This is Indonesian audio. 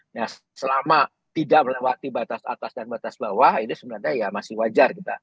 nah selama tidak melewati batas atas dan batas bawah ini sebenarnya ya masih wajar kita